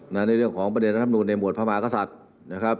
ในเรื่องของประเด็นรัฐมนูลในหวดพระมหากษัตริย์นะครับ